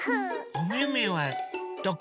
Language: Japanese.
おめめはどこ？